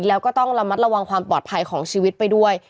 แล้วก็ต้องระมัดระวังความปลอดภัยของชีวิตไปด้วย